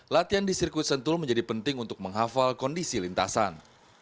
latihan di sirkuit sentul menjadi penting untuk menghafal kondisi lintasan